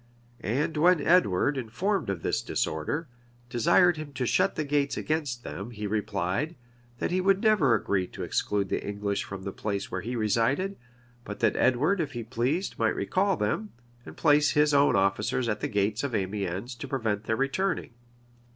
And when Edward, informed of this disorder, desired him to shut the gates against them, he replied, that he would never agree to exclude the English from the place where he resided; but that Edward, if he pleased, might recall them, and place his own officers at the gates of Amiens to prevent their returning.